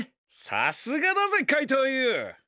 さすがだぜかいとうＵ。